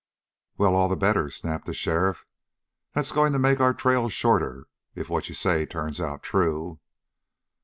"Well, all the better," snapped the sheriff. "That's going to make our trail shorter if what you say turns out true."